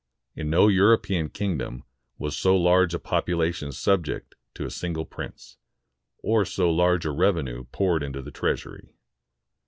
In no European kingdom was so large a population subject to a single prince, or so large a revenue poured into the treasury.